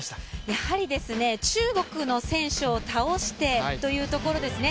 やはり、中国の選手を倒してというところですね。